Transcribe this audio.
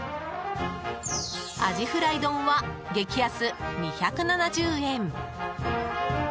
アジフライ丼は激安２７０円。